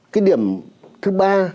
cái điểm thứ ba